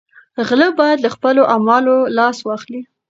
غله باید له خپلو اعمالو لاس واخلي.